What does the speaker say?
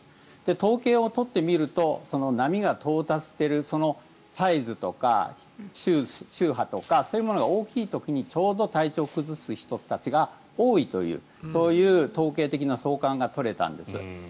統計を取ってみると波が到達しているサイズとか周波とかそういうものが大きい時にちょうど体調を崩す人たちが多いというそういう統計的な相関が取れたんです。